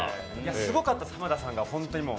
すごかった濱田さんが、ホントにもう。